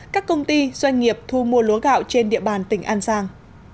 các công ty doanh nghiệp thu mua lúa gạo trên địa bàn tỉnh an giang